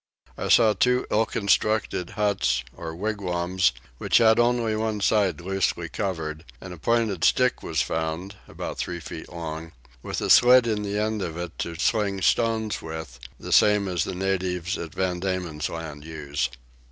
I saw two ill constructed huts or wigwams which had only one side loosely covered, and a pointed stick was found, about three feet long, with a slit in the end of it to sling stones with, the same as the natives of Van Diemen's land use.